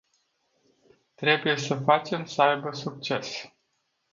Trebuie să facem să aibă succes.